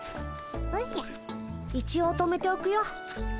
一応止めておくよ。